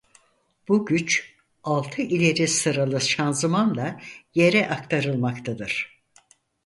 Bu güç altı ileri sıralı şanzımanla yere aktarılmaktadır.